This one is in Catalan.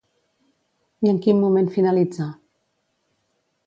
I en quin moment finalitza?